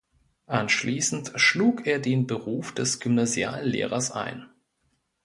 Anschließend schlug er den Beruf des Gymnasiallehrers ein.